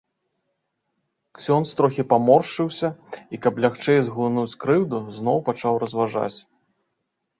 Ксёндз трохі паморшчыўся і, каб лягчэй зглынуць крыўду, зноў пачаў разважаць.